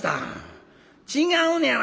違うねやな。